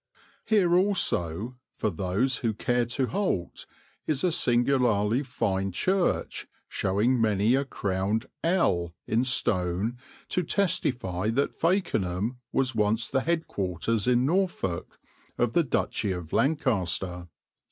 Here also, for those who care to halt, is a singularly fine church showing many a crowned "L" in stone to testify that Fakenham was once the head quarters in Norfolk of the Duchy of Lancaster.